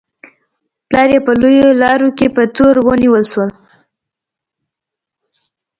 پلار یې په لویو لارو کې په تور ونیول شو.